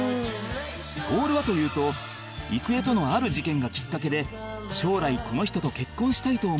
徹はというと郁恵とのある事件がきっかけで将来この人と結婚したいと思ったという